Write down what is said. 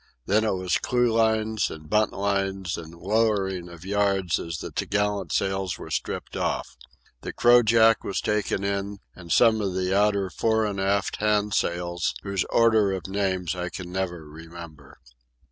Then it was clewlines and buntlines and lowering of yards as the topgallant sails were stripped off. The crojack was taken in, and some of the outer fore and aft handsails, whose order of names I can never remember.